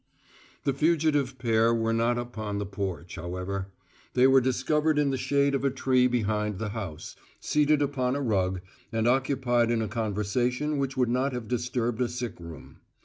The fugitive pair were not upon the porch, however; they were discovered in the shade of a tree behind the house, seated upon a rug, and occupied in a conversation which would not have disturbed a sick room.